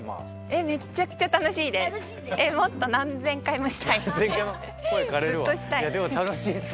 めちゃくちゃ楽しいです。